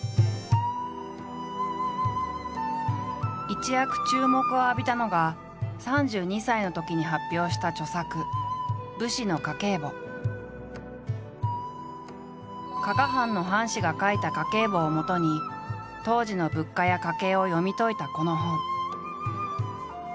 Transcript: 一躍注目を浴びたのが３２歳のときに発表した著作「武士の家計簿」。をもとに当時の物価や家計を読み解いたこの本。